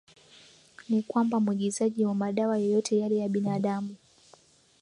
ni kwamba mwingizaji wa madawa yeyote yale ya binadamu